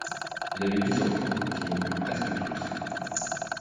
Il avait dix enfants qui moururent presque tous.